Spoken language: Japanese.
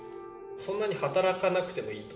そんなに働かなくてもいいと。